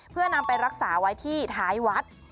เพื่อนำไปรักษาไว้ที่ท้ายวัด